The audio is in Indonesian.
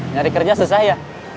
nyari kerja selesai ya